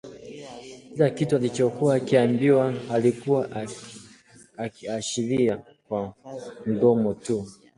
Kila kitu alichokuwa akiambiwa alikuwa akiashiria kwa mdomo tu